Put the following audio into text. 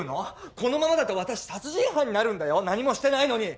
このままだと私殺人犯になるんだよ何もしてないのに！